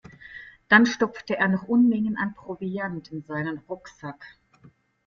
Dann stopfte er noch Unmengen an Proviant in seinen Rucksack.